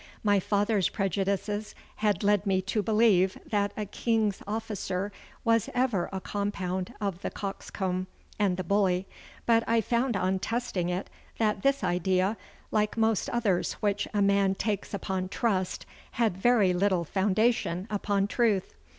My father's prejudices had led me to believe that a King's officer was ever a compound of the coxcomb and the bully, but I found on testing it that this idea, like most others which a man takes upon trust, had very little foundation upon truth.